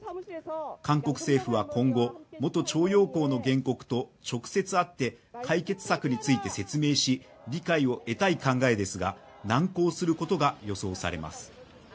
韓国政府は今後、元徴用工の原告と直接会って、解決策について説明し理解を得たい考えですが、難航することが予想されます。